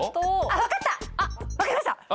分かった分かりました。